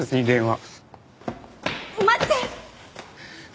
待って！